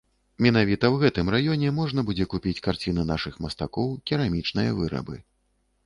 Менавіта ў гэтым раёне можна будзе купіць карціны нашых мастакоў, керамічныя вырабы.